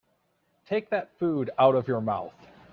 Take that food out of your mouth.